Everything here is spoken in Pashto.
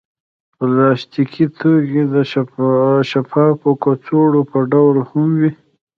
پلاستيکي توکي د شفافو کڅوړو په ډول هم وي.